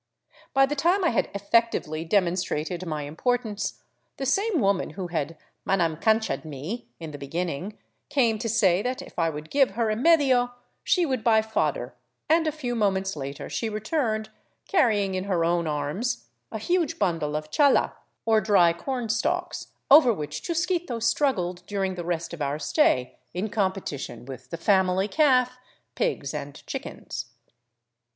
By the time I had effectively demonstrated my im portance, the same woman who had " manam cancha ed " me in the beginning came to say that if I would give her a medio she would buy I fodder; and a few moments later she returned, carrying in her own i arms a huge bundle of chala, or dry cornstalks, over which Chusquito struggled during the rest of our stay in competition with the family calf, pigs, and chickens.